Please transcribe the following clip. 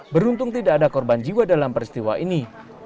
beruntung tidak ada korban jiwa dalam peristiwa ini